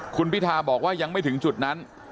คุณพิทาบอกว่ายังไม่ถึงจุดนั้น